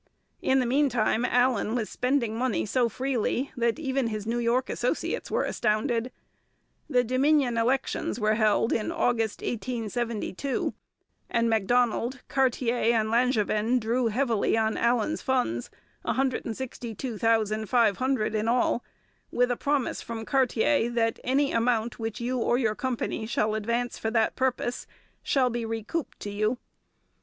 In the meantime Allan was spending money so freely that even his New York associates were astounded. The Dominion elections were held in August 1872, and Macdonald, Cartier, and Langevin drew heavily on Allan's funds, $162,500 in all, with a promise from Cartier that 'any amount which you or your Company shall advance for that purpose shall be re couped to you.'